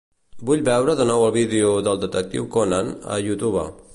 Vull veure de nou el vídeo d'"El detectiu Conan" a YouTube.